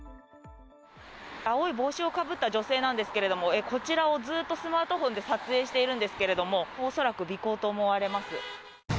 青い帽子をかぶった女性なんですけれども、こちらをずっとスマートフォンで撮影しているんですけれども、恐らく尾行と思われます。